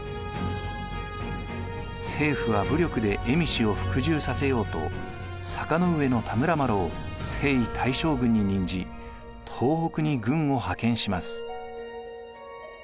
政府は武力で蝦夷を服従させようと坂上田村麻呂を征夷大将軍に任じ東北に軍を派遣します。